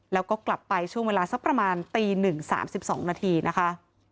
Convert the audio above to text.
แล้วก็กลับไปช่วงเวลาสักประมาณตีหนึ่งสามสิบสองนาทีนะคะ